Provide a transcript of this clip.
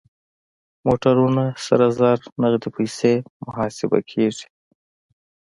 موټرونه سره زر نغدې پيسې محاسبه کېږي.